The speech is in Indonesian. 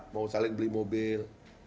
mau saling beli mobil